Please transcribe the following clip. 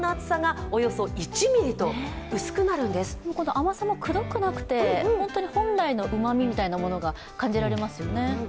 甘さもくどくなくて、本当に本来のうまみみたいなものが感じられますよね。